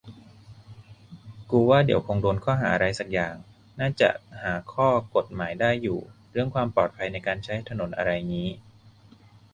กูว่าเดี๋ยวคงโดนข้อหาอะไรสักอย่าง น่าจะหาข้อกฎหมายได้อยู่ เรื่องความปลอดภัยในการใช้ถนนอะไรงี้